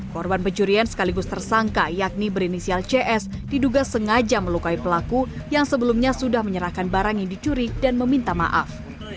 korban pencurian sekaligus tersangka yakni berinisial cs diduga sengaja melukai pelaku yang sebelumnya sudah menyerahkan barang yang dicuri dan meminta maaf